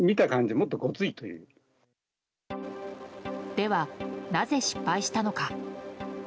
では、なぜ失敗したのか。